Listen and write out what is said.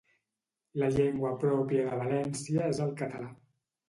La llengua pròpia de Valéncia és el valencià.